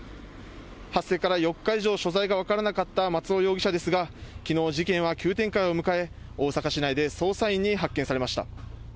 発生から４日以上、所在が分からなかった松尾容疑者ですが、きのう、事件は急展開を迎え、大阪市内で捜査員に発見されました。